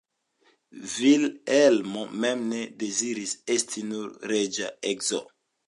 Vilhelmo mem ne deziris esti nur reĝa edzo.